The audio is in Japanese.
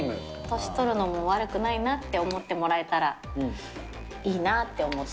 年取るのも悪くないなって思ってもらえたらいいなって思って。